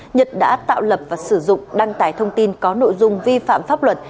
nhật đã tạo lập và sử dụng đăng tải thông tin có nội dung vi phạm pháp luật